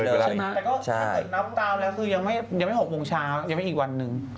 แต่ก็ถือนับตามแล้วยังไม่๖โมงเช้ายังไม่อีกวันนึง